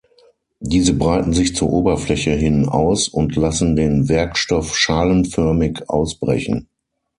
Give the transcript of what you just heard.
Diese breiten sich zur Oberfläche hin aus und lassen den Werkstoff schalenförmig ausbrechen.